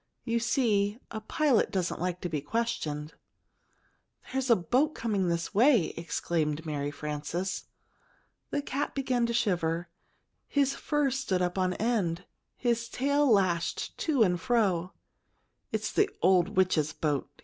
"You see, a pilot doesn't like to be questioned." "There is a boat coming this way!" exclaimed Mary Frances. The cat began to shiver. His fur stood up on end. His tail lashed to and fro. "It's the old witch's boat!"